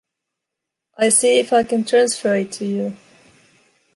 I see if I can transfer it to you.